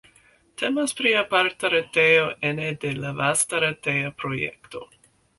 Temas pri aparta retejo ene de la vasta reteja projekto.